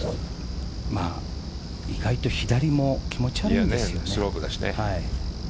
意外と左も気持ち悪いんですね。